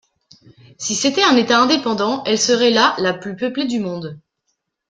Si c'était un État indépendant, elle serait la la plus peuplée du monde.